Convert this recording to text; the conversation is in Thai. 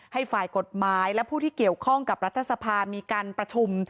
ให้ฝ่ายกฎหมายและผู้ที่เกี่ยวข้องกับรัฐสภามีการประชุม